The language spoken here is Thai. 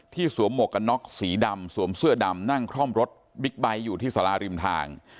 สวมหมวกกันน็อกสีดำสวมเสื้อดำนั่งคล่อมรถบิ๊กไบท์อยู่ที่สาราริมทาง